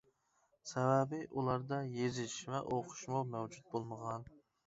سەۋەبى، ئۇلاردا يېزىش ۋە ئوقۇشمۇ مەۋجۇت بولمىغان.